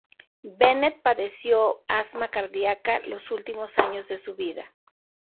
Bennett padeció asma cardíaca los últimos años de su vida.